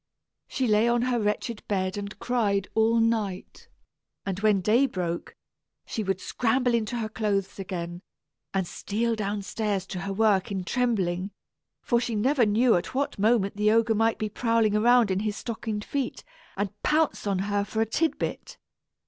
She lay on her wretched bed and cried all night; and when day broke, she would scramble into her clothes again, and steal down stairs to her work in trembling, for she never knew at what moment the ogre might be prowling around in his stocking feet, and pounce upon her for a tid bit.